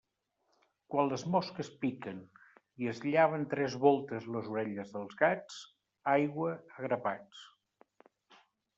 Quan les mosques piquen i es llaven tres voltes les orelles els gats, aigua a grapats.